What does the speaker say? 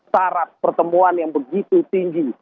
syarat pertemuan yang begitu tinggi